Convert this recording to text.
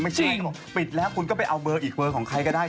ไม่ใช่แต่พอปิดแล้วคุณก็ไปเอาเบอร์อีกเบอร์ของใครก็ได้